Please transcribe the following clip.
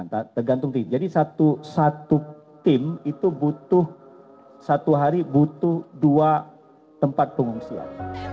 tergantung tim jadi satu tim itu butuh satu hari butuh dua tempat pengungsian